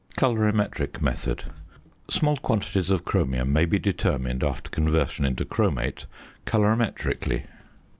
COLORIMETRIC METHOD. Small quantities of chromium may be determined, after conversion into chromate, colorimetrically.